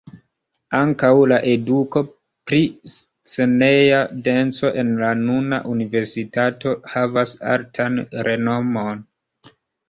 Ankaŭ la eduko pri sceneja danco en la nuna universitato havas altan renomon.